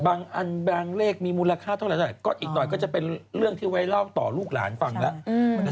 บางอันบางเลขมีมูลค่าเท่าไหร่ก็อีกหน่อยก็จะเป็นเรื่องที่ไว้เล่าต่อลูกหลานฟังแล้ว